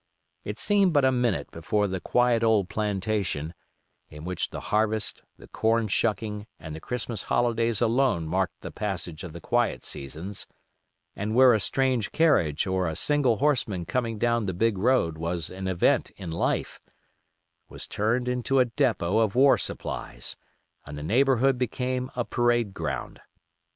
It seemed but a minute before the quiet old plantation, in which the harvest, the corn shucking, and the Christmas holidays alone marked the passage of the quiet seasons, and where a strange carriage or a single horseman coming down the big road was an event in life, was turned into a depot of war supplies, and the neighborhood became a parade ground.